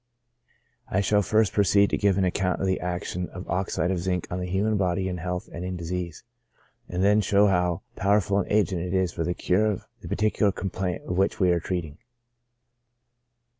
I shall first proceed to give an account of the action of oxide of zinc on the human body in health and in disease, and then show how powerful an agent it is for the cure of the particular complaint of which we are treating.